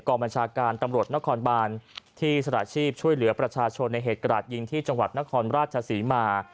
บัญชาการตำรวจนครบานที่สระชีพช่วยเหลือประชาชนในเหตุกระดาษยิงที่จังหวัดนครราชศรีมา